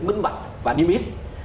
minh mạch và niêm yếp